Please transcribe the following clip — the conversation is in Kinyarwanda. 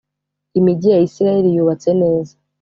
imigi ya isirayeli yubatse neza.